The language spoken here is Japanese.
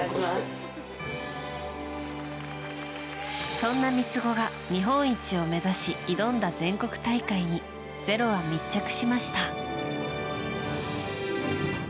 そんな三つ子が日本一を目指し挑んだ全国大会に「ｚｅｒｏ」は密着しました。